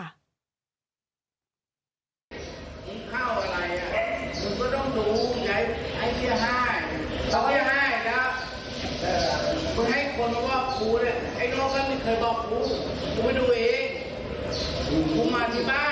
คุณเพื่อนต้องมันน้ำอะไรผมไม่เขามาแขนใจเลยมา